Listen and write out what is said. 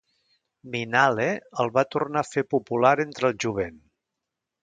Minnale el va tornar a fer popular entre el jovent.